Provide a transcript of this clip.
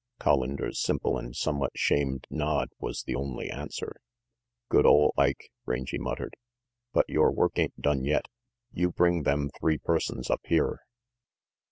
(Hollander's simple and somewhat shamed nod was the only answer. "Good ole Ike!" Rangy muttered. "But v yore work ain't done yet. You bring them three persons up here."